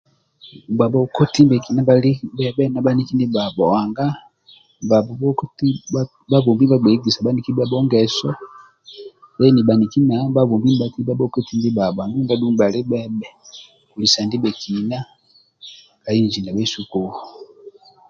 Bhabhokoti ndibhekina bhali bhebhe na bhaniki ndibhabho nanga bhabombi nibhaigesi bhaniki ndibhabho ngeso deni bhaniki bhabombi nibhabhuibi bhakoti ndibhabho andulu ndia adhu nibhali bhebhe ka inji kuwo